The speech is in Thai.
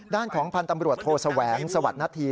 ด้านของพันธ์ตำรวจโทแสวงสวัสดิ์นาธี